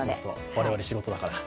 我々仕事だから。